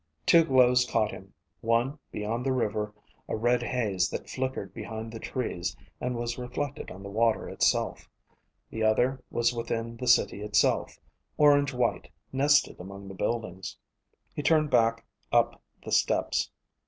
Two glows caught him: one, beyond the river, a red haze that flickered behind the trees and was reflected on the water itself. The other was within the city itself, orange white, nested among the buildings. He turned back up the steps.